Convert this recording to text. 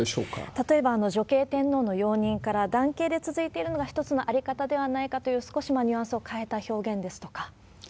例えば、女系天皇の容認から男系で続いているのが一つの在り方ではないかという、少しニュアンスを変えた表現ですとか。